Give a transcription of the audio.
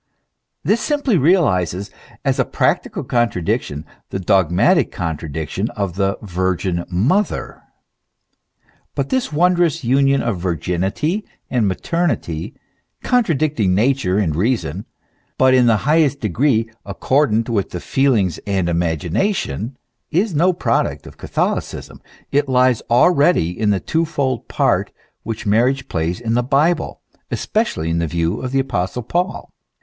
This simply realizes, as a practical contradiction, the dogmatic contradiction of the Virgin Mother. But this wondrous union of virginity and maternity, contradicting nature and reason, but in the highest degree accordant with the feelings and imagination, is no product of Catholicism ; it lies already in the twofold part which marriage plays in the Bible, especially in the view of the Apostle Paul.